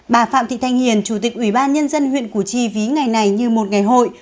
bà phạm thị thanh hiền chủ tịch ủy ban nhân dân huyện củ chi ví ngày này như một ngày hội